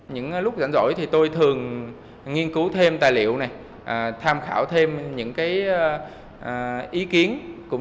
những lúc rảnh rỗi thì tôi thường nghiên cứu thêm tài liệu này tham khảo thêm những cái ý kiến cũng